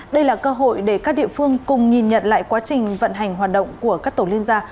đây là cơ hội để các địa phương cùng nhìn nhận lại quá trình vận hành hoạt động của các tổ liên gia